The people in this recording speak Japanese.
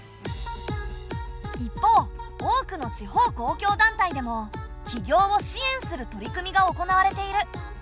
一方多くの地方公共団体でも起業を支援する取り組みが行われている。